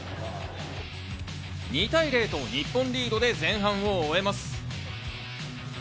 ２対０と日本リードで前半を終えます。